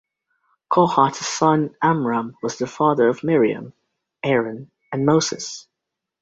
Kohath's son Amram was the father of Miriam, Aaron and Moses.